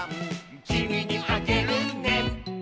「きみにあげるね」